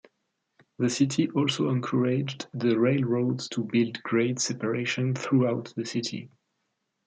The city also encouraged the railroads to build grade separation throughout the city.